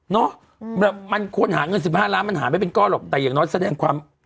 เนอะมันควรหาเงิน๑๕ล้านมันหาไม่เป็นก้อนหรอกแต่อย่างน้อยแสดงความ